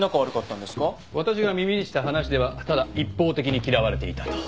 私が耳にした話ではただ一方的に嫌われていたと。